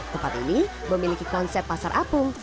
tempat ini memiliki konsep pasar apung